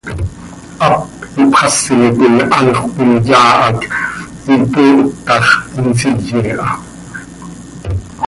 Hap ipxasi coi anxö cömiyaa hac aa ipooh ta x, hin nsiye aha.